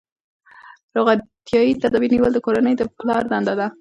روغتیايي تدابیر نیول د کورنۍ د پلار دنده ده.